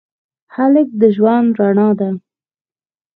هلک د ژوند رڼا ده.